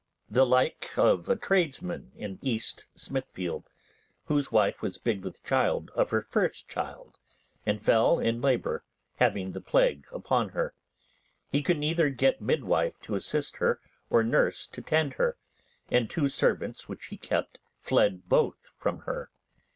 The like of a tradesman in East Smithfield, whose wife was big with child of her first child, and fell in labour, having the plague upon her. He could neither get midwife to assist her or nurse to tend her, and two servants which he kept fled both from her.